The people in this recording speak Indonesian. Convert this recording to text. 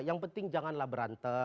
yang penting janganlah berantem